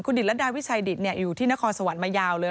ดิตระดาวิชัยดิตอยู่ที่นครสวรรค์มายาวเลย